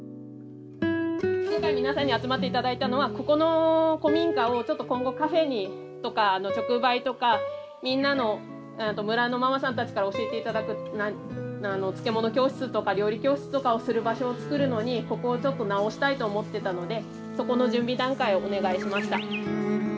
今回皆さんに集まって頂いたのはここの古民家をちょっと今後カフェとか直売とかみんなの村のママさんたちから教えて頂く漬物教室とか料理教室とかをする場所を作るのにここをちょっと直したいと思ってたのでそこの準備段階をお願いしました。